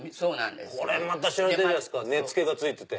これしゃれてるじゃないですか根付けがついてて。